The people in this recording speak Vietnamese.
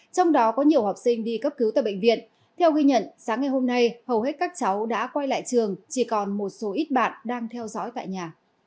trong đó có nhiều học sinh đi cấp cứu tại bệnh viện theo ghi nhận sáng ngày hôm nay hầu hết các cháu đã quay lại trường chỉ còn một số ít bạn đang theo dõi tại nhà